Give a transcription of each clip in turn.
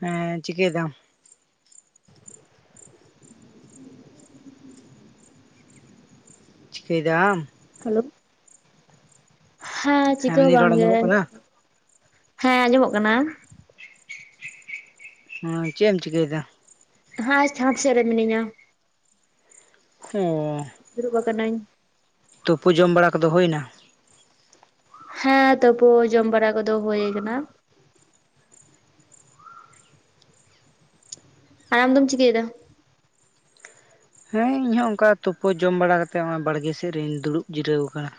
ᱦᱮᱸ ᱪᱤᱠᱟᱹᱭ ᱮᱫᱟᱢ ᱪᱤᱠᱟᱹᱭ ᱫᱟᱢ ᱦᱮᱞᱳ ᱦᱮᱸ ᱪᱤᱠᱟᱹ ᱦᱚᱸ ᱤᱧᱟᱹᱜ ᱨᱚᱲ ᱵᱟᱝᱜᱮ ᱟᱸᱡᱚᱢᱚᱜ ᱠᱟᱱᱟ ᱦᱮᱸ ᱟᱸᱡᱚᱢᱚᱜ ᱠᱟᱱᱟ᱾ ᱦᱮᱸ ᱪᱮᱫ ᱮᱢ ᱪᱤᱠᱟᱹᱭᱮᱫᱟ᱾ ᱦᱮᱸᱪᱪᱷᱟᱫ ᱥᱮᱫ ᱨᱮ ᱢᱤᱱᱮᱧᱟ ᱚ ᱫᱩᱲᱩᱵ ᱟᱠᱟᱱᱟᱹᱧ᱾ ᱛᱩᱯᱩ ᱡᱚᱢ ᱵᱟᱲᱟ ᱠᱚᱫᱚ ᱦᱩᱭᱱᱟ᱾ ᱦᱮᱸ ᱛᱩᱯᱩ ᱡᱚᱢ ᱵᱟᱲᱟ ᱠᱚᱫᱚ ᱦᱩᱭ ᱠᱟᱱᱟ᱾ ᱟᱨ ᱟᱢ ᱫᱚᱢ ᱪᱤᱠᱟᱹᱭᱮᱫᱟ ᱦᱮᱸ ᱤᱧ ᱦᱚᱸ ᱚᱱᱠᱟ ᱛᱩᱯᱩ ᱡᱚᱢ ᱵᱟᱲᱟ ᱠᱟᱛᱮ ᱱᱚᱜ ᱚᱭ ᱵᱟᱲᱜᱮ ᱥᱮᱫ ᱨᱮᱧ ᱫᱩᱲᱩᱵ ᱡᱤᱨᱟᱹᱣ ᱟᱠᱟᱱᱟ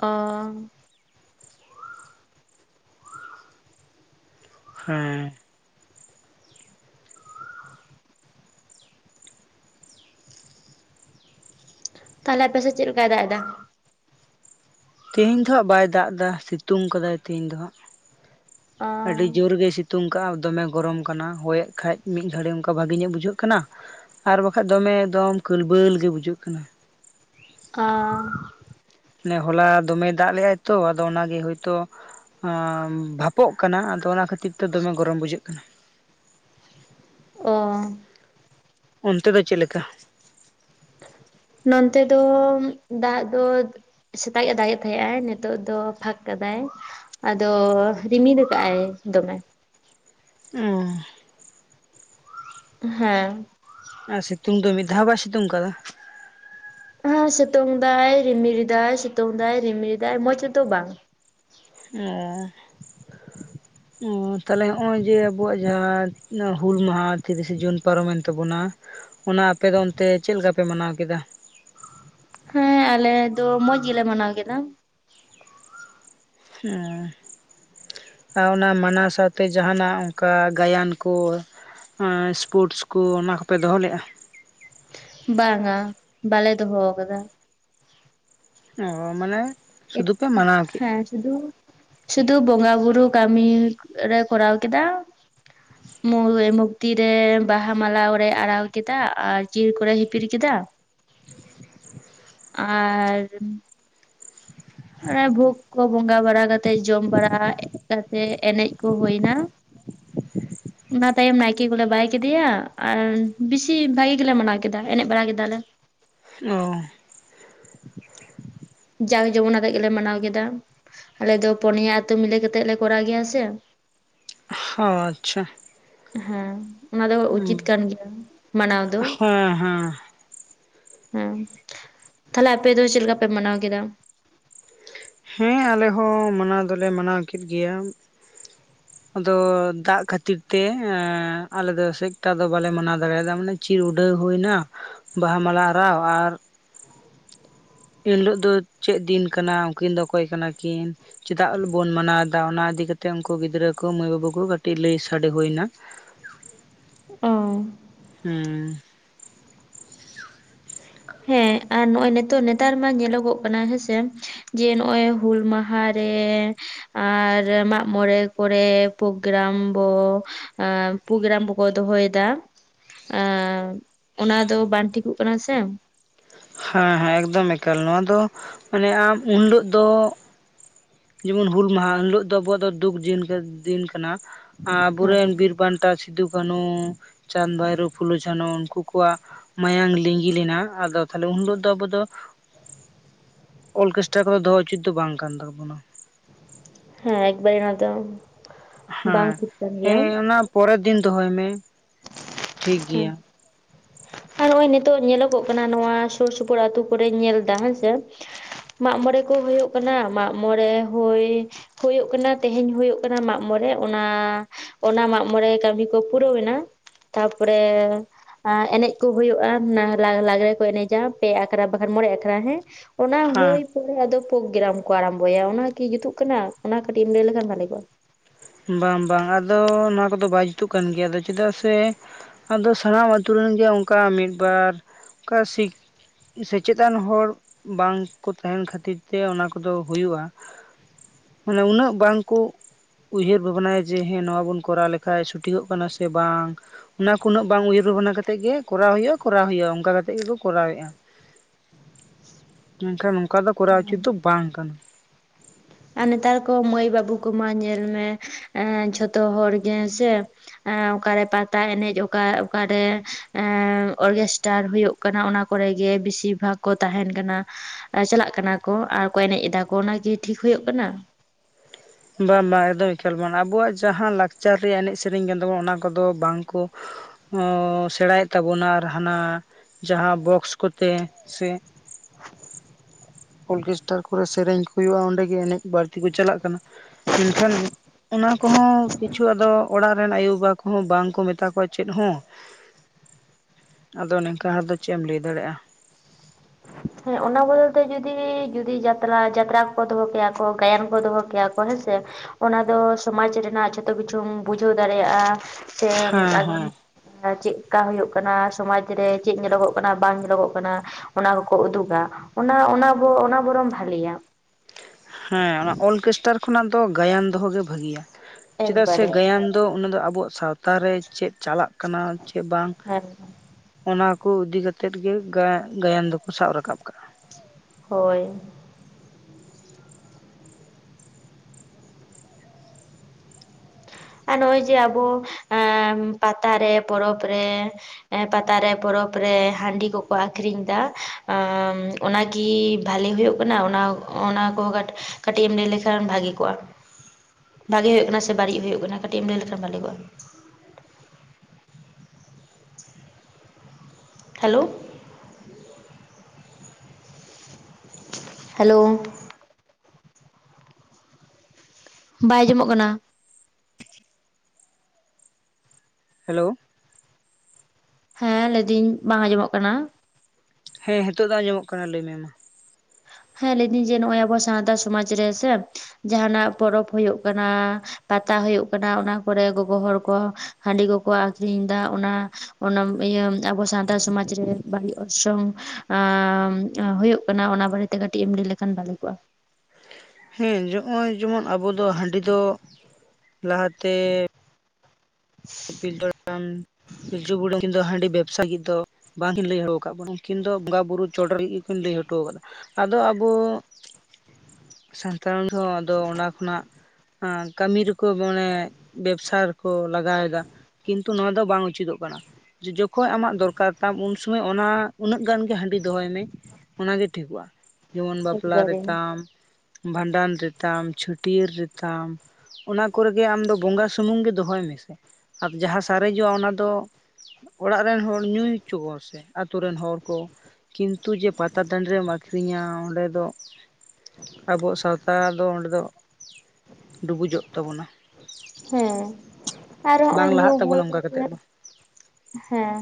ᱚᱸ ᱦᱮᱸ᱾ ᱛᱟᱞᱦᱮ ᱟᱯᱮ ᱥᱮᱡ ᱪᱮᱫᱞᱮᱠᱟᱭ ᱫᱟᱜ ᱮᱫᱟ ᱛᱮᱦᱮᱧ ᱫᱚ ᱦᱟᱜ ᱵᱟᱭ ᱫᱟᱜ ᱮᱫᱟ ᱥᱤᱛᱩᱝ ᱠᱟᱫᱟᱭ ᱛᱮᱦᱮᱧ ᱫᱚ ᱦᱟᱸᱜ ᱚ ᱟᱹᱰᱤ ᱡᱩᱨᱜᱮ ᱥᱤᱛᱩᱝ ᱠᱟᱜᱼᱟ ᱫᱚᱢᱮ ᱜᱚᱨᱚᱢ ᱠᱟᱱᱟ ᱦᱚᱭᱮᱜ ᱠᱷᱟᱱ ᱢᱤᱫ ᱜᱷᱟᱹᱲᱤᱡ ᱚᱱᱠᱟ ᱵᱷᱟᱜᱮ ᱧᱚᱜ ᱵᱩᱡᱷᱟᱹᱜ ᱠᱟᱱᱟ ᱟᱨ ᱵᱟᱠᱷᱟᱡ ᱫᱚᱢᱮ ᱮᱠᱫᱚᱢ ᱠᱟᱹᱞᱵᱟᱹᱞ ᱜᱮ ᱵᱩᱡᱩᱜ ᱠᱟᱱᱟ᱾ ᱟᱸ ᱮ ᱦᱚᱞᱟ ᱫᱚᱢᱮ ᱫᱟᱜ ᱞᱮᱫᱟᱭ ᱛᱚ ᱟᱫᱚ ᱚᱱᱟᱜᱮ ᱦᱚᱭᱛᱳ ᱵᱷᱟᱯᱚᱜ ᱠᱟᱱᱟ ᱟᱫᱚ ᱚᱱᱟ ᱠᱷᱟᱹᱛᱤᱨ ᱛᱮ ᱫᱚᱢᱮ ᱜᱚᱨᱚᱢ ᱵᱩᱡᱷᱟᱹᱜ ᱠᱟᱱᱟ᱾ ᱚ᱾ ᱚᱱᱛᱮ ᱫᱚ ᱪᱮᱫ ᱞᱮᱠᱟ᱾ ᱱᱚᱛᱮ ᱫᱚ ᱫᱟᱜ ᱫᱚ ᱥᱮᱛᱟᱜ ᱮ ᱫᱟᱜᱮ ᱛᱟᱦᱮᱸᱜ-ᱟᱭ ᱱᱤᱛᱚᱜ ᱫᱚ ᱯᱷᱟᱸᱠ ᱠᱟᱫᱟᱭ ᱟᱫᱚ ᱨᱤᱢᱤᱫ ᱠᱟᱜᱼᱟᱭ ᱫᱚᱢᱮ ᱚ ᱦᱮᱸ, ᱟᱨ ᱥᱤᱛᱩᱝ ᱫᱚ ᱢᱤᱫ ᱫᱷᱟᱣ ᱵᱟᱭ ᱥᱤᱛᱩᱝ ᱠᱟᱫᱟ ᱦᱮᱸ ᱥᱤᱛᱩᱝ ᱫᱟᱭ ᱨᱤᱢᱤᱨ ᱫᱟᱭ ᱥᱤᱛᱩᱝ ᱫᱟᱭ ᱨᱤᱢᱤᱨ ᱫᱟᱭ ᱢᱚᱡᱽ ᱛᱮᱫᱚ ᱵᱟᱝ ᱟᱨ [inaudible] ᱛᱟᱦᱞᱮ ᱦᱚᱜ ᱚᱭ ᱡᱮ ᱟᱵᱚᱣᱟᱜ ᱡᱟᱦᱟᱸ ᱦᱩᱞ ᱢᱟᱦᱟ ᱛᱤᱨᱤᱥᱮ ᱡᱩᱱ ᱯᱟᱨᱚᱢᱮᱱ ᱛᱟᱵᱚᱱᱟ ᱚᱱᱟ ᱟᱯᱮ ᱫᱚ ᱚᱱᱛᱮ ᱪᱮᱫ ᱞᱮᱠᱟᱯᱮ ᱢᱟᱱᱟᱣ ᱠᱮᱫᱟ ᱦᱮᱸ ᱟᱞᱮ ᱫᱚ ᱢᱚᱸᱡᱽ ᱜᱮᱞᱮ ᱢᱟᱱᱟᱣ ᱠᱮᱫᱟ ᱦᱮᱸ ᱟᱨ ᱚᱱᱟ ᱢᱟᱱᱟᱣ ᱥᱟᱶᱛᱮ ᱡᱟᱦᱟᱱᱟᱜ ᱚᱱᱠᱟ ᱜᱟᱭᱟᱱ ᱠᱚ ᱦᱮᱸ ᱥᱯᱳᱨᱴᱥ ᱠᱚ ᱚᱱᱟ ᱠᱚᱯᱮ ᱫᱚᱦᱚ ᱞᱮᱜᱼᱟ ᱵᱟᱝᱼᱟ ᱵᱟᱞᱮ ᱫᱚᱦᱚ ᱠᱟᱫᱟ᱾ ᱚ ᱢᱟᱱᱮ ᱥᱩᱫᱩ ᱯᱮ ᱢᱟᱱᱟᱣ ᱠᱮᱜᱼᱟ ᱥᱩᱫᱩ ᱵᱚᱸᱜᱟ ᱵᱩᱨᱩ ᱠᱟᱹᱢᱤ ᱨᱮ ᱠᱚᱨᱟᱣ ᱠᱮᱫᱟ ᱢᱩᱨᱛᱤ ᱨᱮ ᱵᱟᱦᱟ ᱢᱟᱞᱟ ᱨᱮᱭ ᱟᱲᱟᱣ ᱠᱮᱫᱟ ᱟᱨ ᱪᱤᱨ ᱠᱚᱨᱮ ᱦᱤᱯᱤᱨ ᱠᱮᱫᱟ᱾ [inaudible] ᱟᱨ ᱟᱱᱮ ᱵᱷᱳᱜᱽ ᱠᱚ ᱵᱚᱸᱜᱟ ᱵᱟᱲᱟ ᱠᱟᱛᱮᱜ ᱡᱚᱢ ᱵᱟᱲᱟ ᱠᱟᱛᱮ ᱮᱱᱮᱡ ᱠᱚ ᱦᱩᱭᱱᱟ ᱚᱱᱟ ᱛᱟᱭᱚᱢ ᱱᱟᱭᱠᱮ ᱠᱚᱞᱮ ᱵᱟᱭ ᱠᱮᱫᱮᱭᱟ ᱟᱨ ᱵᱤᱥᱤ ᱵᱷᱟᱜᱤ ᱜᱮᱞᱮ ᱢᱟᱱᱟᱣ ᱠᱮᱫᱟ ᱮᱱᱮᱡ ᱵᱟᱲᱟ ᱠᱮᱫᱟᱞᱮ ᱚ ᱡᱟᱠ ᱡᱚᱢᱚᱱ ᱟᱛᱮᱫ ᱜᱮᱞᱮ ᱢᱟᱱᱟᱣ ᱠᱮᱫᱟ ᱟᱞᱮ ᱫᱚ ᱯᱚᱱᱭᱟ ᱟᱹᱛᱳ ᱢᱤᱞᱮᱹ ᱠᱟᱛᱮᱜ ᱞᱮ ᱠᱚᱨᱟᱣ ᱜᱮᱭᱟ ᱥᱮ ᱦᱸ ᱟᱪᱪᱷᱟ ᱦᱮᱸ ᱚᱱᱟ ᱫᱚ ᱦᱩᱸ ᱩᱪᱤᱛ ᱠᱟᱱ ᱜᱮᱭᱟ ᱢᱟᱱᱟᱣ ᱫᱚ ᱦᱮᱸ ᱦᱮᱸ ᱦᱮᱸ ᱛᱟᱦᱚᱞᱮ ᱟᱯᱮ ᱫᱚ ᱪᱮᱫ ᱞᱮᱠᱟ ᱯᱮ ᱢᱟᱱᱟᱣ ᱠᱮᱫᱟ ᱦᱮᱸ ᱟᱞᱮ ᱦᱚᱸ ᱢᱟᱱᱟᱣ ᱫᱚᱞᱮ ᱢᱟᱱᱟᱣ ᱠᱮᱫ ᱜᱮᱭᱟ [inaudible] ᱟᱫᱚ ᱫᱟᱜ ᱠᱷᱟᱹᱛᱤᱨ ᱛᱮ, ᱟᱞᱮ ᱫᱚ ᱥᱮᱠᱴᱟ ᱫᱚ ᱵᱟᱞᱮ ᱢᱟᱱᱟᱣ ᱫᱟᱲᱮᱭᱟᱫᱟ ᱢᱟᱱᱮ᱾ ᱪᱤᱨ ᱩᱰᱟᱹᱣ ᱦᱩᱭᱱᱟ ᱵᱟᱦᱟ ᱢᱟᱞᱟ ᱨᱟᱣ ᱟᱨ ᱤᱱᱦᱤᱞᱳᱜ ᱫᱚ ᱪᱮᱫ ᱫᱤᱱ ᱠᱟᱱᱟ ᱩᱱᱠᱤᱱ ᱫᱚ ᱚᱠᱚᱭ ᱠᱟᱱᱟ ᱠᱤᱱ ᱪᱮᱫᱟᱜ ᱟᱞ ᱵᱚᱱ ᱢᱟᱱᱟᱣ ᱫᱟ ᱚᱱᱟ ᱤᱫᱤᱠᱟ ᱠᱟᱛᱮᱜ ᱩᱱᱠᱩ ᱜᱤᱫᱽᱨᱟᱹ ᱠᱚ ᱢᱟᱹᱭ ᱵᱟᱹᱵᱩ ᱠᱚ ᱠᱟᱹᱴᱤᱡ ᱞᱟᱹᱭ ᱥᱟᱰᱮ ᱦᱩᱭᱱᱟ ᱚᱻ, ᱦᱩᱸ ᱦᱮᱸ ᱟᱨ ᱱᱚᱜᱼᱚᱭ ᱱᱤᱛᱚᱜ ᱱᱮᱛᱟᱨ ᱢᱟ ᱧᱮᱞᱚᱜᱚᱜ ᱠᱟᱱᱟ ᱦᱮᱸᱥᱮ ᱡᱮ ᱱᱚᱜᱼᱚᱭ ᱦᱩᱞ ᱢᱟᱦᱟᱨᱮ ᱟᱨ ᱢᱟᱜᱢᱬᱮ ᱠᱚᱨᱮ ᱯᱨᱳᱜᱨᱟᱢ ᱵᱚ [unintelligible] ᱯᱨᱳᱜᱨᱟᱢ ᱠᱚᱠᱚ ᱫᱚᱦᱚᱭᱮᱫᱟ ᱮᱸ ᱚᱱᱟ ᱫᱚ ᱵᱟᱝ ᱴᱷᱤᱠᱚᱜ ᱠᱟᱱᱟ ᱥᱮ ᱦᱮᱸ ᱦᱮᱸ ᱮᱠᱫᱚᱢ ᱮᱠᱟᱞ ᱱᱚᱣᱟ ᱫᱚ ᱢᱟᱱᱮ ᱟᱢ ᱩᱱ ᱦᱤᱞᱳ ᱫᱚ ᱡᱮᱢᱚᱱ ᱦᱩᱞ ᱢᱟᱦᱟ ᱦᱤᱞᱳ ᱫᱚ ᱟᱵᱩᱣᱟᱜ ᱫᱚ ᱫᱩᱠ ᱡᱤᱱ ᱫᱤᱱ ᱠᱟᱱᱟ ᱦᱮᱸ ᱟᱵᱚᱨᱮᱱ ᱵᱤᱨ ᱵᱟᱱᱴᱟ ᱥᱤᱫᱩ ᱠᱟᱹᱱᱩ ᱪᱟᱸᱫᱽ ᱵᱷᱟᱭᱨᱚᱵᱷ ᱯᱷᱩᱞᱳ ᱡᱷᱟᱱᱳ ᱩᱱᱠᱩ ᱠᱚᱣᱟᱜ ᱢᱟᱭᱟᱝ ᱞᱤᱸᱜᱤ ᱞᱮᱱᱟ ᱟᱫᱚ ᱛᱟᱦᱞᱮ ᱩᱱ ᱦᱤᱞᱳᱜ ᱫᱚ᱾ ᱟᱵᱚ ᱫᱚ ᱚᱨᱠᱮᱥᱴᱨᱟ ᱠᱚᱫᱚ ᱫᱚᱦᱚ ᱩᱪᱤᱛ ᱫᱚ ᱵᱟᱝ ᱠᱟᱱ ᱛᱟᱵᱚᱱᱟ ᱦᱮᱸ ᱮᱠᱵᱟᱨᱮ ᱚᱱᱟ ᱫᱚ ᱵᱟᱝ ᱦᱮᱸ ᱴᱷᱤᱠ ᱠᱟᱱ ᱜᱮᱭᱟ ᱦᱮᱸ ᱚᱱᱟ ᱯᱚᱨᱮᱨ ᱫᱤᱱ ᱫᱚᱦᱚᱭ ᱢᱮ ᱴᱷᱤᱠ ᱦᱮᱸ ᱜᱮᱭᱟ ᱟᱨ ᱱᱚᱜᱼᱚᱭ ᱱᱤᱛᱚᱜ ᱧᱮᱞᱚᱜᱚᱜ ᱠᱟᱱᱟ ᱱᱚᱣᱟ ᱥᱩᱨ ᱥᱩᱯᱩᱨ ᱟᱹᱛᱩᱳ ᱠᱚᱨᱮᱧ ᱧᱮᱞᱫᱟ ᱦᱮᱸᱥᱮ ᱢᱟᱜᱢᱚᱬᱮ ᱠᱚ ᱦᱩᱭᱩᱜ ᱠᱟᱱᱟ ᱢᱟᱜ ᱢᱚᱬᱮ ᱦᱳᱭ ᱦᱩᱭᱩᱜ ᱠᱟᱱᱟ ᱛᱮᱦᱮᱧ ᱦᱩᱭᱩᱜ ᱠᱟᱱᱟ ᱢᱟᱜ ᱢᱚᱬᱮ ᱚᱱᱟ ᱚᱱᱟ ᱢᱟᱜᱼᱢᱚᱬᱮ ᱠᱟᱹᱢᱤ ᱠᱚ ᱯᱩᱨᱟᱹᱣ ᱮᱱᱟ᱾ ᱛᱟᱯᱚᱨᱮ ᱮᱱᱮᱡ ᱠᱚ ᱦᱳᱭᱳᱜᱼᱟ ᱞᱟ-ᱞᱟᱜᱽᱲᱮ ᱠᱚ ᱮᱱᱮᱡᱟ ᱯᱮ ᱟᱠᱷᱲᱟ ᱵᱟᱝᱠᱷᱟᱱ ᱢᱚᱬᱮ ᱟᱠᱷᱲᱟ ᱦᱮᱸ᱾ ᱚᱱᱟ ᱦᱩᱭ ᱦᱮᱸ ᱯᱚᱨᱮ ᱟᱫᱚ ᱯᱳᱜᱽᱜᱮᱨᱟᱢ ᱠᱚ ᱟᱨᱟᱢᱵᱚᱭᱟ᱾ ᱚᱱᱟ ᱠᱤ ᱡᱩᱛᱩᱜ ᱠᱟᱱᱟ, ᱚᱱᱟ ᱠᱟᱹᱴᱤᱡ ᱮᱢ ᱞᱟᱹᱭ ᱞᱮᱠᱷᱟᱱ ᱵᱷᱟᱞᱤ ᱠᱚᱜᱼᱟ᱾ ᱵᱟᱝ ᱵᱟᱝ ᱟᱫᱚ ᱱᱚᱣᱟ ᱠᱚᱫᱚ ᱵᱟᱭ ᱡᱩᱛᱩᱜ ᱠᱟᱱ ᱜᱮᱭᱟ᱾ ᱟᱫᱚ ᱪᱮᱫᱟᱜ ᱥᱮ ᱟᱫᱚ ᱥᱟᱱᱟᱢ ᱟᱛᱩ ᱨᱮᱱ ᱜᱮ ᱚᱱᱠᱟ ᱢᱤᱫ ᱵᱟᱨ ᱚᱱᱠᱟ ᱥᱤᱼᱼ ᱥᱮᱪᱮᱫᱱ ᱦᱚᱲ ᱵᱟᱝᱠᱚ ᱛᱟᱦᱮᱱ ᱠᱷᱟᱹᱛᱤᱨ ᱛᱮ ᱚᱱᱟ ᱠᱚᱫᱚ ᱦᱩᱭᱩᱜᱼᱟ᱾ ᱢᱟᱱᱮ ᱩᱱᱟᱹᱜ ᱵᱟᱝ ᱠᱚ ᱩᱭᱦᱟᱹᱨ ᱵᱷᱟᱵᱽᱱᱟᱭᱟ ᱡᱮ ᱦᱮᱸ ᱱᱚᱣᱟ ᱵᱚᱱ ᱠᱚᱨᱟᱣ ᱞᱮᱠᱷᱟᱱ ᱥᱚᱴᱷᱤᱠᱚᱜ ᱠᱟᱱᱟ ᱥᱮ ᱵᱟᱝ ᱚᱱᱟ ᱠᱚ ᱩᱱᱟᱹᱜ ᱵᱟᱝ ᱩᱭᱦᱟᱹᱨ ᱵᱷᱟᱵᱽᱱᱟ ᱠᱟᱛᱮ ᱜᱮ ᱠᱚᱨᱟᱣ ᱦᱩᱭᱩᱜᱼᱟ ᱠᱚᱨᱟᱣ ᱦᱩᱭᱩᱜᱼᱟ ᱚᱝᱠᱟ ᱠᱟᱛᱮ ᱜᱮᱠᱚ ᱠᱚᱨᱟᱣᱮᱜᱼᱟ᱾ [inaudible] ᱢᱮᱱᱠᱷᱟᱱ ᱱᱚᱝᱠᱟ ᱫᱚ ᱠᱚᱨᱟᱣ ᱩᱪᱤᱛ ᱫᱚ ᱵᱟᱝ ᱠᱟᱱᱟ᱾ ᱟᱨ ᱱᱮᱛᱟᱨ ᱠᱚ ᱢᱟᱹᱭ ᱵᱟᱹᱵᱩ ᱠᱚᱢᱟ ᱧᱮᱞ ᱢᱮ ᱮᱸ ᱡᱷᱚᱛᱚ ᱦᱚᱲ ᱜᱮ ᱦᱮᱸᱥᱮ ᱮᱸᱻ ᱚᱠᱟᱨᱮ ᱯᱟᱛᱟ ᱮᱱᱮᱡ ᱚᱠᱟ ᱚᱠᱟᱨᱮ ᱮᱸᱻ ᱚᱨᱜᱮᱥᱴᱟᱨ ᱦᱳᱭᱳᱜ ᱠᱟᱱᱟ ᱚᱱᱟ ᱠᱚᱨᱮ ᱜᱮ ᱵᱤᱥᱤᱨ ᱵᱷᱟᱜᱽ ᱠᱚ ᱛᱟᱸᱦᱮᱱ ᱠᱟᱱᱟ᱾ ᱟᱨ ᱪᱟᱞᱟᱜ ᱠᱟᱱᱟ ᱠᱚ ᱟᱨ ᱠᱚ ᱮᱱᱮᱡ ᱮᱫᱟ ᱠᱚ ᱚᱱᱟᱠᱤ ᱴᱷᱤᱠ ᱦᱳᱭᱳᱜ ᱠᱟᱱᱟ ᱵᱟᱝ ᱵᱟᱝ ᱮᱠᱫᱚᱢ ᱮᱠᱟᱞ ᱵᱟᱱ ᱟᱵᱚᱣᱟᱜ ᱡᱟᱦᱟᱸ ᱞᱟᱠᱪᱟᱨ ᱨᱮᱭᱟᱜ ᱮᱱᱮᱡ ᱥᱮᱨᱮᱧ ᱠᱟᱱ ᱛᱟᱵᱚᱱᱟ ᱚᱱᱟ ᱠᱚᱫᱚ ᱵᱟᱝᱠᱚ ᱦᱚᱸ ᱥᱮᱬᱟᱭᱮᱫ ᱛᱟᱵᱚᱱᱟ ᱟᱨ ᱦᱟᱱᱟ ᱡᱟᱦᱟᱸ ᱵᱚᱠᱥ ᱠᱚᱛᱮ ᱥᱮ ᱚᱨᱜᱮᱥᱴᱟᱨ ᱠᱚᱨᱮ ᱥᱮᱨᱮᱧ ᱠᱚ ᱦᱩᱭᱩᱜᱼᱟ᱾ ᱚᱸᱰᱮᱜᱮ ᱮᱱᱮᱡ ᱵᱟᱹᱲᱛᱤ ᱠᱚ ᱪᱟᱞᱟᱜ ᱠᱟᱱᱟ᱾ ᱢᱮᱱᱠᱷᱟᱱ ᱚᱱᱟ ᱠᱚᱦᱚᱸ ᱠᱤᱪᱷᱩ ᱟᱫᱚ ᱚᱲᱟᱜ ᱨᱮᱱ ᱟᱭᱳᱼᱵᱟᱵᱟ ᱠᱚᱦᱚᱸ ᱵᱟᱝ ᱠᱚ ᱢᱮᱛᱟ ᱠᱚᱣᱟ ᱪᱮᱫ ᱦᱚᱸ᱾ ᱟᱫᱚ ᱱᱮᱝᱠᱟ ᱦᱚᱲ ᱫᱚ ᱪᱮᱫ ᱮᱢ ᱞᱟᱹᱭ ᱫᱟᱲᱮᱭᱟᱜᱼᱟ᱾ ᱦᱮᱸ ᱚᱱᱟ ᱵᱚᱫᱚᱞ ᱛᱮ ᱡᱩᱫᱤ, ᱡᱩᱫᱤ ᱡᱟᱛᱨᱟ ᱡᱟᱛᱨᱟ ᱠᱚ ᱫᱚᱦᱚ ᱠᱮᱭᱟ ᱠᱚ, ᱜᱟᱭᱟᱱ ᱠᱚ ᱫᱚᱦᱚ ᱠᱮᱭᱟ ᱠᱚ ᱦᱮᱸ ᱥᱮ, ᱚᱱᱟ ᱫᱚ ᱥᱚᱢᱟᱡᱽ ᱨᱮᱱᱟᱜ ᱡᱷᱚᱛᱚ ᱠᱤᱪᱷᱩᱢ ᱵᱩᱡᱷᱟᱹᱣ ᱫᱟᱲᱮᱭᱟᱜᱼᱟ, ᱥᱮ ᱦᱮᱸ ᱟᱡᱚᱢ ᱦᱮᱸ ᱪᱮᱫᱠᱟ ᱦᱳᱭᱳᱜ ᱠᱟᱱᱟ ᱥᱚᱢᱟᱡᱽ ᱨᱮ ᱪᱮᱫ ᱧᱮᱞᱚᱜᱚᱜ ᱠᱟᱱᱟ ᱵᱟᱝ ᱧᱮᱞᱚᱜᱚᱜ ᱠᱟᱱᱟ ᱚᱱᱟ ᱠᱚᱼᱼ ᱠᱚ ᱩᱫᱩᱜᱟ ᱚᱱᱟ ᱚᱱᱟ ᱵᱚ ᱚᱱᱟ ᱵᱚᱨᱚᱢ ᱵᱷᱟᱹᱞᱤᱭᱟ᱾ ᱦᱮᱸ ᱚᱱᱟ ᱚᱞᱜᱮᱥᱴᱟᱨ ᱠᱷᱚᱱᱟᱜ ᱫᱚ ᱜᱟᱭᱟᱱ ᱫᱚᱦᱚ ᱜᱮ ᱵᱷᱟᱹᱜᱤᱭᱟ᱾ ᱪᱮᱫᱟᱜ ᱥᱮ ᱮᱠᱵᱟᱨᱮ ᱜᱟᱭᱟᱱ ᱫᱚ ᱚᱱᱟ ᱫᱚ ᱟᱵᱚᱣᱟᱜ ᱥᱟᱶᱛᱟ ᱨᱮ ᱪᱮᱫ ᱪᱟᱞᱟᱜ ᱠᱟᱱᱟ ᱪᱮᱫ ᱵᱟᱝ ᱦᱮᱸ ᱚᱱᱟ ᱠᱚ ᱤᱫᱤ ᱠᱟᱛᱮᱫ ᱜᱮ ᱜᱟᱼᱜᱟᱭᱟᱱ ᱫᱚᱠᱚ ᱥᱟᱵ ᱨᱟᱠᱟᱵ ᱠᱟᱜᱼᱟ ᱦᱚᱭ ᱟᱨ ᱱᱚᱜᱼᱚᱭ ᱡᱮ ᱟᱵᱚ ᱯᱟᱛᱟ ᱨᱮ ᱯᱚᱨᱚᱵᱽ ᱨᱮ ᱯᱟᱛᱟ ᱨᱮ ᱯᱚᱨᱚᱵᱽ ᱨᱮ ᱦᱟᱺᱰᱤ ᱠᱚ ᱠᱚ ᱟᱠᱷᱨᱤᱧ ᱮᱫᱟ ᱟᱸᱼᱼ ᱚᱱᱟ ᱠᱤ ᱵᱷᱟᱹᱞᱮ ᱦᱳᱭᱳᱜ ᱠᱟᱱᱟ ᱚᱱᱟ ᱚᱱᱟ ᱠᱚ ᱠᱟᱴᱼᱠᱟᱹᱴᱤᱡ ᱮᱢ ᱞᱟᱹᱭ ᱞᱮᱠᱷᱟᱱ ᱵᱷᱟᱜᱮ ᱠᱚᱜᱼᱟ᱾ ᱵᱷᱟᱜᱮ ᱦᱳᱭᱳᱜ ᱠᱟᱱᱟ ᱥᱮ ᱵᱟᱹᱲᱤᱡ ᱦᱳᱭᱳᱜ ᱠᱟᱱᱟ ᱠᱟᱹᱴᱤᱡ ᱮᱢ ᱞᱟᱹᱭ ᱞᱮᱠᱷᱟᱱ ᱵᱷᱟᱹᱞᱮ ᱠᱚᱜᱼᱟ᱾ ᱦᱮᱞᱳ ᱦᱮᱞᱳ ᱵᱟᱭ ᱡᱚᱢᱚᱜ ᱠᱟᱱᱟ ᱦᱮᱞᱳ ᱦᱮᱸ ᱞᱟᱹᱭᱫᱟᱹᱧ ᱵᱟᱝ ᱟᱸᱡᱚᱢᱚᱜ ᱠᱟᱱᱟ᱾ ᱦᱮᱸ ᱦᱮᱸᱛᱚᱜ ᱫᱚ ᱟᱸᱡᱚᱢᱚᱜ ᱠᱟᱱᱟ ᱞᱟᱹᱭ ᱢᱮ ᱢᱟ᱾ ᱦᱮᱸ ᱞᱟᱹᱭ ᱫᱟᱹᱧ ᱡᱮ ᱱᱚᱜᱼᱚᱭ ᱟᱵᱚ ᱥᱟᱶᱛᱟ ᱥᱚᱢᱟᱡᱽ ᱨᱮᱥᱮ ᱡᱟᱦᱟᱸᱱᱟᱜ ᱯᱚᱨᱚᱵᱽ ᱦᱳᱭᱳᱜ ᱠᱟᱱᱟ, ᱯᱟᱛᱟ ᱦᱳᱭᱳᱜ ᱠᱟᱱᱟ ᱚᱱᱟ ᱠᱚᱨᱮ ᱜᱚᱜᱚ ᱦᱚᱲ ᱠᱚ ᱦᱟᱺᱰᱤ ᱠᱚ ᱠᱚ ᱟᱠᱷᱨᱤᱧ ᱮᱫᱟ ᱚᱱᱟ ᱚᱱᱟ ᱤᱭᱟᱹ ᱟᱵᱚ ᱥᱟᱱᱛᱟᱲ ᱥᱚᱢᱟᱡᱽ ᱨᱮ ᱵᱟᱹᱲᱤᱡ ᱚᱨᱥᱚᱝ ᱟᱸ ᱦᱳᱭᱳᱜ ᱠᱟᱱᱟ ᱚᱱᱟ ᱵᱟᱨᱮᱛᱮ ᱠᱟᱹᱴᱤᱡ ᱮᱢ ᱞᱟᱹᱭ ᱞᱮᱠᱷᱟᱱ ᱵᱷᱟᱞᱮ ᱠᱚᱜᱼᱟ᱾ ᱦᱮᱸ ᱡᱚᱜᱼᱚᱭ ᱡᱮᱢᱚᱱ ᱟᱵᱚ ᱫᱚ ᱦᱟᱺᱰᱤ ᱫᱚ ᱞᱟᱦᱟᱛᱮ [inaudible] ᱯᱤᱞᱪᱩ [inaudible] ᱟᱢ ᱯᱤᱞᱪᱩ ᱵᱩᱰᱷᱤ ᱩᱱᱠᱤᱱ ᱫᱚ ᱦᱟᱺᱰᱤ ᱵᱮᱵᱽᱥᱟ [unintelligible] ᱫᱚ ᱵᱟᱝᱤᱱ ᱞᱟᱹᱭ ᱦᱚᱴᱚ ᱟᱠᱟᱫ ᱵᱚᱱᱟ, ᱩᱱᱠᱤᱱ ᱫᱚ ᱵᱚᱸᱜᱟ ᱵᱩᱨᱩ ᱪᱚᱰᱚᱨ ᱞᱟᱹᱜᱤᱫ ᱜᱮ ᱠᱤᱱ ᱞᱟᱹᱭ ᱦᱚᱴᱚ ᱟᱠᱟᱫᱟ᱾ ᱟᱫᱚ ᱟᱵᱚ ᱥᱟᱱᱛᱟᱲ [unintelligible] ᱦᱚᱸ ᱟᱫᱚ ᱚᱱᱟ ᱠᱷᱚᱱᱟᱜ ᱠᱟᱹᱢᱤ ᱨᱮᱠᱚ ᱢᱟᱱᱮ ᱵᱮᱵᱽᱥᱟ ᱨᱮᱠᱚ ᱞᱟᱜᱟᱣ ᱮᱫᱟ ᱠᱤᱱᱛᱩ ᱱᱚᱶᱟ ᱫᱚ ᱵᱟᱝ ᱩᱪᱤᱫᱚᱜ ᱠᱟᱱᱟ᱾ ᱡᱚ ᱡᱚᱠᱷᱚᱡ ᱟᱢᱟᱜ ᱫᱚᱨᱠᱟᱨ ᱛᱟᱢ ᱩᱱ ᱥᱩᱢᱟᱹᱭ ᱚᱱᱟ ᱩᱱᱟᱹᱜ ᱜᱟᱱ ᱜᱮ ᱦᱟᱺᱰᱤ ᱫᱚᱦᱚᱭ ᱢᱮ᱾ ᱚᱱᱟ ᱜᱮ ᱴᱷᱤᱠᱩᱜ-ᱟ ᱡᱮᱢᱚᱱ ᱵᱟᱯᱞᱟ ᱨᱮ ᱮᱠᱵᱟᱨᱮ ᱛᱟᱢ᱾ ᱵᱷᱟᱸᱰᱟᱱ ᱨᱮᱛᱟᱢ ᱪᱷᱟᱹᱴᱭᱟᱹᱨ ᱨᱮᱛᱟᱢ᱾ ᱚᱱᱟ ᱠᱚᱨᱮ ᱜᱮ ᱟᱢᱫᱚ ᱵᱚᱸᱜᱟ ᱥᱩᱢᱩᱝ ᱜᱮ ᱫᱚᱦᱚᱭ ᱢᱮ ᱥᱮ ᱟᱨ ᱡᱟᱦᱟᱸ ᱥᱟᱨᱮᱡᱚᱜ-ᱟ ᱚᱱᱟ ᱫᱚᱼᱼ ᱚᱲᱟᱜ ᱨᱮᱱ ᱦᱚᱲ ᱧᱩᱭ ᱦᱚᱪᱚ ᱠᱚᱣᱟ ᱥᱮ ᱟᱹᱛᱩ ᱨᱮᱱ ᱦᱚᱲ ᱠᱚ᱾ ᱠᱤᱱᱛᱩ ᱡᱮ ᱯᱟᱛᱟ ᱴᱟᱺᱰᱤ ᱨᱮᱢ ᱟᱠᱷᱨᱤᱧᱟ ᱚᱸᱰᱮ ᱫᱚ ᱟᱵᱚᱣᱟᱜ ᱥᱟᱶᱛᱟ ᱫᱚ ᱚᱸᱰᱮ ᱫᱚ ᱰᱩᱵᱩᱡᱚᱜ ᱛᱟᱵᱚᱱᱟ᱾ ᱦᱮᱸ ᱟᱨ ᱦᱚᱸᱜ-ᱚᱭ ᱵᱟᱝ ᱧᱩ ᱞᱟᱦᱟᱜ ᱵᱩᱞ ᱛᱟᱵᱚᱱᱟ ᱚᱱᱠᱟ ᱠᱟᱛᱮᱫ, ᱫᱚ ᱦᱮᱸ᱾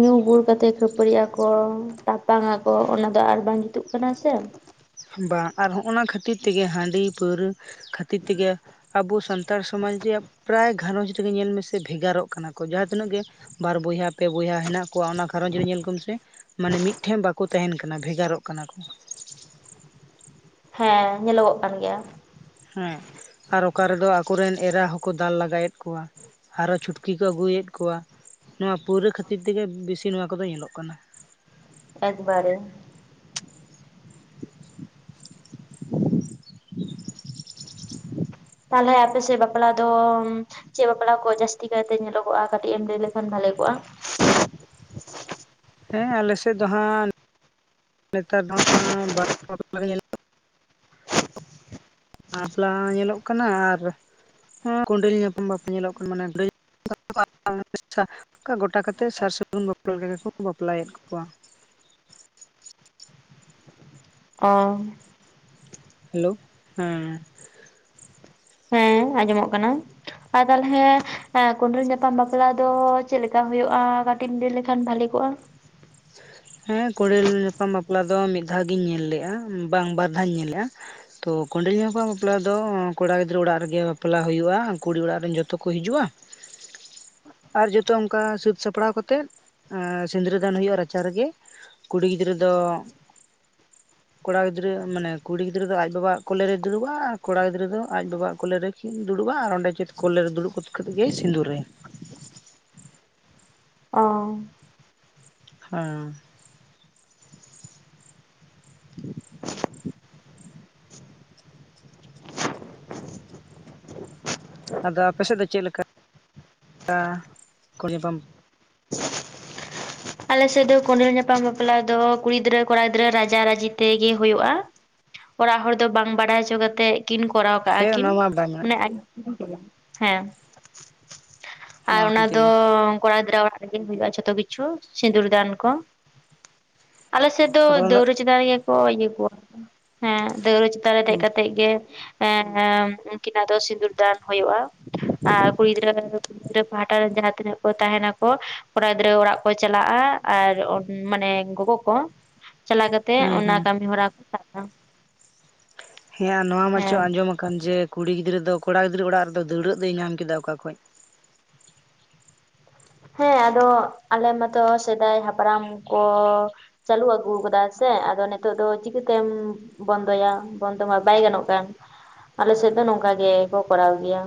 ᱧᱩ ᱵᱩᱞ ᱠᱟᱛᱮᱜ ᱠᱷᱟᱹᱯᱟᱹᱨᱤᱜ-ᱟᱠᱚ ᱛᱟᱯᱟᱝ ᱟᱠᱚ ᱚᱱᱟ ᱫᱚ ᱟᱨ ᱵᱟᱝ ᱡᱩᱛᱩᱜ ᱠᱟᱱᱟ ᱥᱮ᱾ ᱵᱟᱝ ᱟᱨ ᱦᱚᱸᱜ-ᱱᱚᱶᱟ ᱠᱷᱟᱹᱛᱤᱨ ᱛᱮᱜᱮ ᱦᱟᱸᱰᱤ ᱯᱟᱹᱣᱨᱟᱹ ᱠᱷᱟᱛᱤᱨ ᱛᱮᱜᱮ᱾ ᱟᱵᱚ ᱥᱟᱱᱛᱟᱲ ᱥᱚᱢᱟᱡᱽ ᱨᱮᱭᱟᱜ ᱯᱨᱟᱭ ᱜᱷᱟᱨᱚᱸᱡᱽ ᱨᱮᱜᱮ ᱧᱮᱞ ᱢᱮ ᱥᱮ ᱵᱷᱮᱜᱟᱨᱚᱜ ᱠᱟᱱᱟ ᱠᱚ ᱡᱟᱦᱟᱸ ᱛᱤᱱᱟᱹᱜ ᱜᱮ᱾ ᱵᱟᱨ ᱵᱚᱭᱦᱟ ᱯᱮ ᱵᱚᱭᱦᱟ ᱦᱮᱱᱟᱜ ᱠᱚᱣᱟ ᱚᱱᱟ ᱜᱷᱟᱸᱨᱚᱡᱽ ᱨᱮ ᱧᱮᱞ ᱠᱚᱢ ᱥᱮ᱾ ᱢᱟᱱᱮ ᱢᱤᱫ ᱴᱷᱮᱱ ᱵᱟᱠᱚ ᱛᱟᱸᱦᱮᱱ ᱠᱟᱱᱟ ᱵᱷᱮᱜᱟᱨᱚᱜ ᱠᱟᱱᱟ ᱠᱚ᱾ ᱦᱮᱸ ᱧᱮᱞᱚᱜᱚᱜ ᱠᱟᱱ ᱜᱮᱭᱟ᱾ ᱦᱮᱸ ᱟᱨ ᱚᱠᱟ ᱨᱮᱫᱚ ᱟᱠᱚ ᱨᱮᱱ ᱮᱨᱟ ᱦᱚᱸᱠᱚ ᱫᱟᱞ ᱞᱟᱜᱟ ᱮᱫ ᱠᱚᱣᱟ᱾ ᱟᱨᱚ ᱪᱷᱩᱴᱠᱤ ᱠᱚ ᱟᱜᱩᱭᱮᱫ ᱠᱚᱣᱟ ᱱᱚᱣᱟ ᱯᱟᱹᱣᱨᱟᱹ ᱠᱷᱟᱹᱛᱤᱨ ᱛᱮᱜᱮ ᱵᱤᱥᱤ ᱱᱚᱶᱟ ᱠᱚᱫᱚ ᱧᱮᱞᱚᱜ ᱠᱟᱱᱟ᱾ ᱮᱠ ᱵᱟᱨᱮ᱾ ᱛᱟᱞᱦᱮ ᱟᱯᱮ ᱥᱮᱫ ᱵᱟᱯᱞᱟ ᱫᱚᱢ ᱪᱮᱜ ᱵᱟᱯᱞᱟ ᱠᱚ ᱡᱟᱹᱥᱛᱤ ᱠᱟᱭ ᱛᱮ ᱧᱮᱞᱚᱜᱚᱜ-ᱟ ᱠᱟᱴᱤᱡ ᱮᱢ ᱞᱟᱹᱭ ᱞᱮᱠᱷᱟᱱ ᱵᱷᱟᱞᱮ ᱠᱚᱜ-ᱟ᱾ ᱦᱮᱸ ᱟᱞᱮ ᱥᱮᱫ ᱫᱚ ᱦᱟᱸᱜ ᱱᱮᱛᱟᱨ ᱫᱚ ᱦᱟᱸᱜ ᱵᱟ [inaudible] ᱧᱮᱞᱼᱼ ᱵᱟᱯᱞᱟ ᱧᱮᱞᱚᱜ ᱠᱟᱱᱟ ᱟᱨ ᱚᱸ ᱠᱚᱸᱰᱮᱞ ᱧᱟᱯᱟᱢ ᱵᱟᱯᱞᱟ ᱧᱮᱞᱚᱜ ᱠᱟᱱᱟ ᱢᱟᱱᱮ ᱜᱟᱹᱭ [inaudible] ᱜᱚᱴᱟ ᱠᱟᱛᱮᱜ ᱥᱟᱨ ᱥᱟᱹᱜᱩᱱ ᱵᱟᱯᱞᱟ ᱞᱮᱠᱟ‌ ᱜᱮ ᱠᱚ ᱵᱟᱯᱞᱟᱭᱮᱫ ᱠᱚᱣᱟ᱾ ᱚ ᱦᱮᱞᱳᱣ ᱦᱮᱸ᱾ ᱦᱮᱸ ᱟᱸᱡᱚᱢᱚᱜ ᱠᱟᱱᱟ᱾ ᱟᱨ ᱛᱟᱞᱦᱮᱸ ᱠᱚᱸᱰᱮᱞ ᱧᱟᱯᱟᱢ ᱵᱟᱯᱞᱟ ᱫᱚ ᱪᱮᱫ ᱞᱮᱠᱟ ᱦᱩᱭᱩᱜ-ᱟ ᱠᱟᱴᱤᱡ ᱮᱢ ᱞᱟᱹᱭ ᱞᱮᱠᱷᱟᱱ ᱵᱷᱟᱞᱤ ᱠᱚᱜ-ᱟ᱾ ᱦᱮᱸ ᱠᱚᱸᱰᱮᱞ ᱧᱟᱯᱟᱢ ᱵᱟᱯᱞᱟ ᱫᱚ ᱢᱤᱫ ᱫᱷᱟᱣ ᱜᱤᱧ ᱧᱮᱞ ᱞᱮᱜ-ᱟ ᱵᱟᱝ ᱵᱟᱨ ᱫᱷᱟᱣ ᱤᱧ ᱧᱮᱞ ᱞᱮᱜ-ᱟ᱾ ᱛᱚ ᱠᱚᱸᱰᱮᱞ ᱧᱟᱯᱟᱢ ᱵᱟᱯᱞᱟ ᱫᱚ ᱚᱸᱻ ᱠᱚᱲᱟ ᱜᱤᱫᱽᱨᱟᱹ ᱚᱲᱟᱜ ᱨᱮᱜᱮ ᱵᱟᱯᱞᱟ ᱦᱩᱭᱩᱜ-ᱟ ᱠᱩᱲᱤ ᱚᱲᱟᱜ ᱨᱮᱱ ᱡᱚᱛᱚ ᱠᱚ ᱦᱤᱡᱩᱜ-ᱟ᱾ [inaudible] ᱟᱨ ᱡᱚᱛᱚ ᱚᱱᱠᱟ ᱥᱟᱹᱛ ᱥᱟᱯᱲᱟᱣ ᱠᱟᱛᱮᱫ ᱮᱸᱻ ᱥᱤᱸᱫᱽᱨᱟᱹ ᱫᱷᱟᱱ ᱦᱩᱭᱩᱜ-ᱟ ᱨᱟ ᱪᱟ ᱨᱮᱜᱮ ᱠᱩᱲᱤ ᱜᱤᱫᱽᱨᱟᱹ ᱫᱚ ᱠᱚᱲᱟ ᱜᱤᱫᱽᱨᱟᱹ ᱢᱟᱱᱮ ᱠᱩᱲᱤ ᱜᱤᱫᱽᱨᱟᱹ ᱫᱚ ᱟᱡ ᱵᱟᱵᱟᱣᱟᱜ ᱠᱚᱞᱮ ᱨᱮᱭ ᱫᱩᱲᱩᱵ-ᱟ ᱟᱨ ᱠᱚᱲᱟ ᱜᱤᱫᱽᱨᱟᱹ ᱫᱚ ᱟᱡ ᱵᱟᱵᱟᱣᱟᱜ ᱠᱚᱞᱮ ᱨᱮ [unintelligible] ᱫᱩᱲᱩᱵ-ᱟ ᱟᱨ ᱚᱸᱰᱮ ᱪᱮᱫ ᱠᱚᱞᱮ ᱨᱮ ᱫᱩᱲᱩᱵ ᱠᱷᱚᱛ ᱠᱟᱛᱮ ᱜᱮᱭ ᱥᱤᱸᱫᱩᱨᱟᱭᱟ᱾ ᱚᱸ᱾ ᱦᱮᱸ᱾ ᱟᱫᱚ ᱟᱯᱮ ᱥᱮᱫ ᱫᱚ ᱪᱮᱫ ᱞᱮᱠᱟ [unintelligible] ᱟᱞᱮ ᱥᱮᱫ ᱫᱚ ᱠᱚᱸᱰᱮᱞ ᱧᱟᱯᱟᱢ ᱵᱟᱯᱞᱟ ᱫᱚ ᱠᱩᱲᱤ ᱜᱤᱫᱽᱨᱟᱹ ᱠᱚᱲᱟ ᱜᱤᱫᱽᱨᱟᱹ ᱨᱟᱡᱟ ᱨᱟᱹᱡᱤ ᱛᱮᱜᱮ ᱦᱩᱭᱩᱜ-ᱟ᱾ ᱚᱲᱟᱜ ᱦᱚᱲ ᱫᱚ ᱵᱟᱝ ᱵᱟᱰᱟᱭ ᱪᱚ ᱠᱟᱛᱮᱜ᱾ ᱠᱤᱱ ᱠᱚᱨᱟᱣ ᱠᱟᱜ-ᱟ ᱦᱮᱸ ᱠᱤᱱ ᱚᱱᱟ ᱢᱟ ᱵᱟᱭ ᱢᱮᱱ ᱢᱟᱱᱮ ᱟᱠ [inaudible] ᱦᱮᱸ᱾ ᱟᱨ ᱚᱱᱟ ᱟᱹᱠᱤᱱ ᱫᱚ ᱛᱮᱜᱮ ᱠᱚᱲᱟ ᱜᱤᱫᱽᱨᱟᱹ ᱟᱜ ᱚᱲᱟᱜ ᱨᱮᱜᱮ ᱦᱩᱭᱩᱜ-ᱟ ᱡᱷᱚᱛᱚ ᱠᱤᱪᱷᱩ᱾ ᱥᱤᱸᱫᱩᱨ ᱫᱟᱱ ᱠᱚ, ᱟᱞᱮ ᱥᱮᱫ ᱫᱚ ᱟᱫᱚ ᱚᱱᱟ ᱫᱟᱹᱣᱨᱟᱹ ᱪᱮᱛᱟᱱ ᱨᱮᱜᱮ ᱠᱚ ᱤᱭᱟᱹ ᱠᱚᱣᱟ ᱠᱚ ᱦᱮᱸ ᱫᱟᱹᱣᱲᱟᱹ ᱪᱮᱛᱟᱱ ᱨᱮ ᱫᱮᱡ ᱠᱟᱛᱮᱜ ᱜᱮ ᱦᱮᱸᱦᱮᱸ ᱩᱝᱠᱤᱱᱟᱜ ᱫᱚ ᱥᱤᱸᱫᱩᱨ ᱫᱟᱱ ᱦᱩᱭᱩᱜ-ᱟ᱾ ᱟᱨ ᱠᱩᱲᱤ ᱜᱤᱫᱽᱨᱟᱹ ᱠᱩᱲᱤ ᱜᱤᱫᱽᱨᱟᱹ ᱯᱟᱦᱴᱟ ᱨᱮᱱ ᱡᱟᱦᱟᱸ ᱛᱤᱱᱟᱹᱜ ᱠᱚ ᱛᱟᱦᱮᱸ ᱱᱟᱠᱚ ᱠᱚᱲᱟ ᱜᱤᱫᱽᱨᱟᱹ ᱚᱲᱟᱜ ᱠᱚ ᱪᱟᱞᱟᱜ- ᱟ ᱟᱨ ᱚᱱ ᱢᱟᱱᱮ ᱜᱚᱜᱚ ᱠᱚ᱾ ᱪᱟᱞᱟ ᱠᱟᱛᱮᱜ ᱦᱩᱸ ᱚᱱᱟ ᱦᱩᱸ ᱠᱟᱹᱢᱤ ᱦᱚᱨᱟ ᱠᱚ [unintelligible] ᱦᱮᱸ ᱟᱨ ᱱᱚᱣᱟ ᱢᱟᱪᱚ ᱦᱮᱸ ᱟᱸᱡᱚᱢ ᱟᱠᱟᱱ ᱡᱮ ᱠᱩᱲᱤ ᱜᱤᱫᱽᱨᱟᱹ ᱫᱚ ᱠᱚᱲᱟ ᱜᱤᱫᱽᱨᱟᱹ ᱚᱲᱟᱜ ᱨᱮᱫᱚ ᱫᱟᱹᱣᱲᱟᱹᱜ ᱫᱚᱭ ᱧᱟᱢ ᱠᱮᱫᱟ ᱚᱠᱟ ᱠᱷᱚᱡ ᱦᱮᱸ ᱟᱫᱚ ᱟᱞᱮ ᱢᱟᱛᱚ ᱥᱮᱫᱟᱭ ᱦᱟᱯᱲᱟᱢ ᱠᱚ ᱪᱟᱹᱞᱩ ᱟᱹᱜᱩ ᱠᱟᱫᱟ ᱥᱮ ᱟᱫᱚ ᱱᱤᱛᱚᱜ ᱫᱚ ᱪᱤᱠᱟᱹᱛᱮᱢ? ᱵᱚᱱᱫᱚᱭᱟ ᱵᱚᱱᱫᱚ ᱢᱟ ᱵᱟᱭ ᱜᱟᱱᱚᱜ ᱠᱟᱱ ᱟᱞᱮ ᱥᱮᱫ ᱫᱚ ᱱᱚᱝᱠᱟ ᱜᱮ ᱠᱚ ᱠᱚᱨᱟᱣ ᱜᱮᱭᱟ᱾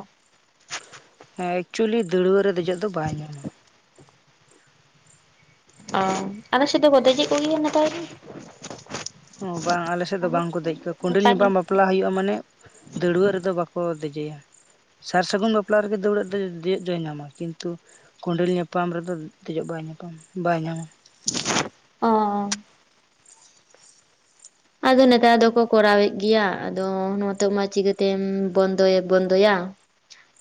ᱮᱸ ᱮᱠᱪᱩᱞᱤ ᱫᱟᱹᱲᱣᱟᱹ ᱨᱮ ᱫᱮᱡᱚᱜ ᱫᱚ ᱵᱟᱭ ᱧᱟᱢᱟ᱾ ᱚᱸ ᱟᱞᱮ ᱥᱮᱫ ᱫᱚᱠᱚ ᱫᱮᱡᱮᱜ ᱠᱚᱜᱮᱭᱟ ᱱᱮᱛᱟᱨ ᱦᱚᱸ ᱚ ᱵᱟᱝ ᱟᱞᱮᱥᱮᱫ ᱫᱚ ᱵᱟᱝᱠᱚ ᱫᱮᱡ ᱠᱚ ᱠᱩᱸᱰᱮᱞ ᱱᱮᱛᱟᱨ ᱜᱮ ᱧᱟᱯᱟᱢ ᱵᱟᱯ ᱵᱟᱯᱞᱟ ᱦᱩᱭᱩᱜᱼᱟ ᱢᱟᱱᱮ ᱫᱟᱹᱲᱣᱟᱹᱜ ᱨᱮᱫᱚ ᱵᱟᱠᱚ ᱫᱮᱡᱮᱭᱟ᱾ ᱥᱟᱨ ᱥᱟᱹᱜᱩᱱ ᱵᱟᱯᱞᱟ ᱨᱮᱜᱮ ᱫᱟᱹᱲᱟᱜ ᱫᱚᱼᱫᱮ ᱫᱮᱭᱚᱜ ᱫᱚᱭ ᱧᱟᱢᱟ ᱠᱤᱱᱛᱩ ᱠᱚᱸᱰᱮᱞ ᱧᱟᱯᱟᱢ ᱨᱮᱫᱚ ᱫᱮᱡᱚᱜ ᱵᱟᱭ ᱧᱟᱯᱟᱢ ᱵᱟᱭ ᱧᱟᱢᱟ ᱚ ᱟᱫᱚ ᱱᱮᱛᱟᱨ ᱫᱚᱠᱚ ᱠᱚᱨᱟᱣᱮᱜ ᱜᱮᱭᱟ ᱟᱫᱚ ᱱᱚᱛᱚᱜ ᱢᱟ ᱪᱤᱠᱟᱹᱛᱮᱢ ᱵᱚᱱᱫᱚᱭ ᱵᱚᱱᱫᱚᱭᱟ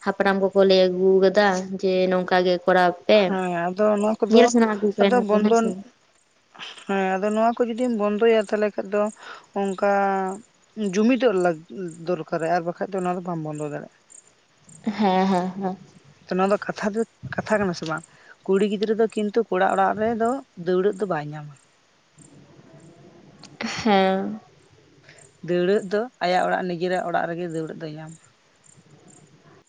ᱦᱟᱯᱲᱟᱢ ᱠᱚᱠᱚ ᱞᱟᱹᱭ ᱟᱹᱜᱩ ᱠᱟᱫᱟ ᱡᱮ ᱱᱚᱝᱠᱟ ᱜᱮ ᱠᱚᱨᱟᱣ ᱯᱮ ᱦᱮᱸ ᱟᱫᱚ ᱱᱚᱶᱟ ᱠᱚᱫᱚ ᱧᱮᱞ ᱥᱟᱱᱟ ᱟᱹᱜᱩ ᱟᱫᱚ ᱠᱟᱱᱟ ᱠᱚ ᱵᱚᱱᱫᱚᱱ ᱦᱮᱸᱥᱮ ᱦᱮᱸ ᱟᱫᱚ ᱱᱚᱣᱟ ᱠᱚ ᱡᱩᱫᱤᱢ ᱵᱚᱱᱫᱚᱭᱟ ᱛᱟᱞᱦᱮ ᱠᱷᱟᱜ ᱫᱚ ᱚᱝᱠᱟ ᱡᱩᱢᱤᱫᱚᱜ ᱞᱟᱜ ᱫᱚᱨᱠᱟᱨᱟᱭ ᱟᱨ ᱵᱟᱠᱷᱟᱡ ᱫᱚ ᱚᱱᱟ ᱫᱚ ᱵᱟᱢ ᱵᱚᱱᱫᱚ ᱫᱟᱲᱮᱭᱟᱜᱼᱟ᱾ ᱦᱮᱸ ᱦᱮᱸ ᱦᱮᱸ ᱦᱚᱛᱚ ᱱᱚᱣᱟ ᱫᱚ ᱠᱟᱛᱷᱟ ᱫᱚ ᱠᱟᱛᱷᱟ ᱠᱟᱱᱟ ᱥᱮ ᱵᱟᱝ ᱠᱩᱲᱤ ᱜᱤᱫᱽᱨᱟᱹ ᱫᱚ ᱠᱤᱱᱛᱩ ᱠᱚᱲᱟ ᱚᱲᱟᱜ ᱨᱮᱫᱚ ᱫᱟᱹᱣᱲᱟᱹᱜ ᱫᱚ ᱵᱟᱭ ᱧᱟᱢᱟ᱾ ᱦᱮᱸ ᱫᱟᱹᱣᱲᱟᱹᱜ ᱫᱚ ᱟᱭᱟᱜ ᱚᱲᱟᱜ ᱱᱤᱡᱮᱨᱟᱜ ᱚᱲᱟᱜ ᱨᱮᱜᱮ ᱫᱟᱹᱣᱲᱟᱹᱜ ᱫᱚᱭ ᱧᱟᱢᱟ